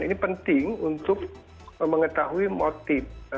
ini penting untuk mengetahui motif